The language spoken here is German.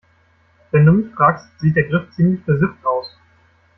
Wenn du mich fragst, sieht der Griff ziemlich versifft aus.